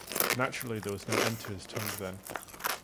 Naturally there was no end to his tongue then.